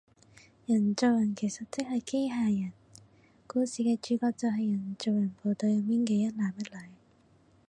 人造人其實即係機械人，故事嘅主角就係人造人部隊入面嘅一男一女